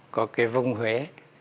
của cái vùng huế